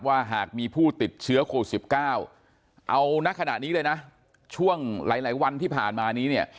หากมีผู้ติดเชื้อโควิด๑๙เอาณขณะนี้เลยนะช่วงหลายวันที่ผ่านมานี้เนี่ย